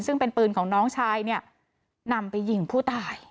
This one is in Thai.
ซึ่งเป็นปืนของน้องชายเนี่ยนำไปยิงผู้ตาย